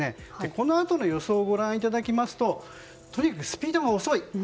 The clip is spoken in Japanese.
このあとの予想をご覧いただきますととにかくスピードが遅い。